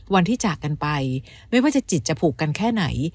วันที่จากกันไปไม่ว่าจะจิตจะผูกกันแค่ไหน